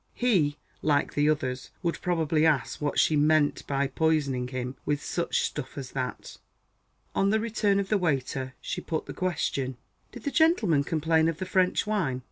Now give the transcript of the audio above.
He, like the others, would probably ask what she "meant by poisoning him with such stuff as that." On the return of the waiter, she put the question: "Did the gentleman complain of the French wine?"